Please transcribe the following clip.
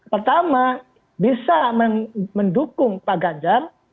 pertama bisa mendukung pak ganjar